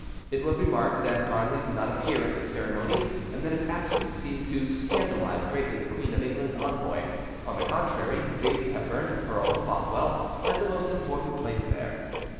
It was remarked that Darnley did not appear at this ceremony, and that his absence seemed to scandalise greatly the queen of England's envoy. On the contrary, James Hepburn, Earl of Bothwell, had the most important place there.